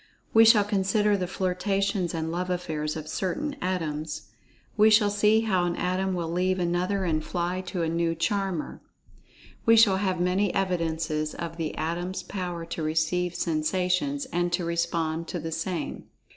We shall consider the flirtations, and love affairs of certain Atoms. We shall see how an Atom will leave another, and fly to a new charmer. We shall have many evidences of the Atom's power to receive sensations, and to respond to the same.